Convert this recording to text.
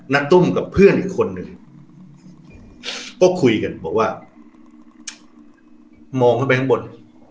ตุ้มกับเพื่อนอีกคนนึงก็คุยกันบอกว่ามองขึ้นไปข้างบน